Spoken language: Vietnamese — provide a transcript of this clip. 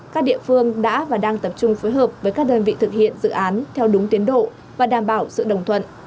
các địa phương đã và đang tập trung phối hợp với các đơn vị thực hiện dự án theo đúng tiến độ và đảm bảo sự đồng thuận